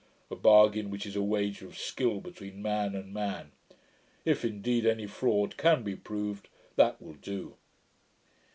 a bargain, which is a wager of skill between man and man. If, indeed, any fraud can be proved, that will do.'